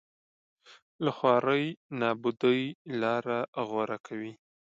له خوارۍ نابودۍ لاره غوره کوي